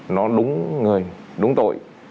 nó đúng người đúng tội